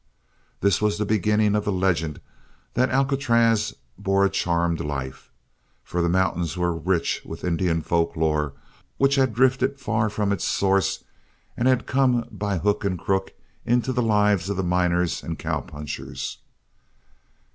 This was the beginning of the legend that Alcatraz bore a charmed life. For the mountains were rich with Indian folklore which had drifted far from its source and had come by hook and crook into the lives of the miners and cowpunchers.